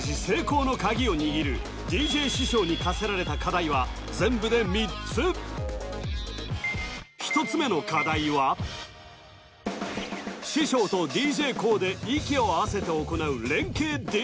成功のカギを握るＤＪ師匠に課せられた課題は全部で３つ１つ目の課題は師匠とＤＪＫＯＯで息を合わせて行う連携